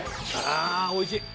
あーおいしい